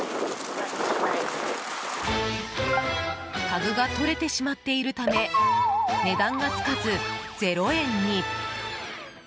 タグが取れてしまっているため値段がつかず、０円に。